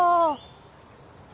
あ。